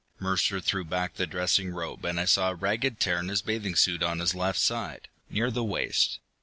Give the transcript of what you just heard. Mercer threw back the dressing robe, and I saw a ragged tear in his bathing suit on his left side, near the waist.